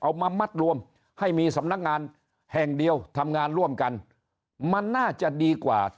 เอามามัดรวมให้มีสำนักงานแห่งเดียวทำงานร่วมกันมันน่าจะดีกว่า